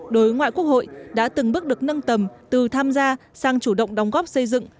đối ngoại quốc hội đã từng bước được nâng tầm từ tham gia sang chủ động đóng góp xây dựng